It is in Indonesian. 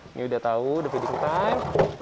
ini udah tahu the feeding time